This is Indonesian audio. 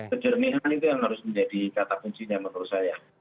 kejernihan itu yang harus menjadi kata kuncinya menurut saya